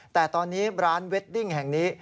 แต่ตอนนี้ร้านเวดดิ้งแห่งนี้